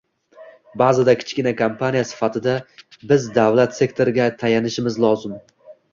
Baʼzida kichkina kompaniya sifatida biz davlat sektoriga tayanishimiz lozim.